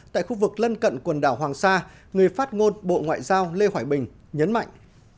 tại khu vực lân cận quần đảo hoàng sa người phát ngôn bộ ngoại giao lê hoài bình nhấn mạnh